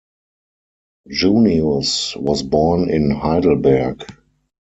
Junius was born in Heidelberg.